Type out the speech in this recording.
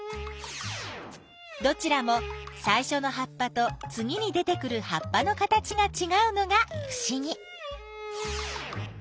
どちらもさいしょの葉っぱとつぎに出てくる葉っぱの形がちがうのがふしぎ。